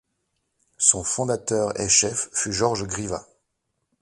Son fondateur et chef fut Georges Grivas.